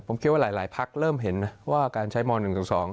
ผมคิดว่าหลายภักดิ์เริ่มเห็นว่าการใช้มาตรา๑๑๒